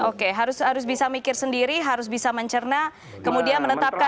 oke harus bisa mikir sendiri harus bisa mencerna kemudian menetapkan